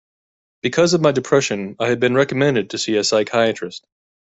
Because of my depression, I have been recommended to see a psychiatrist.